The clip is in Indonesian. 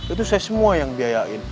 itu saya semua yang biayain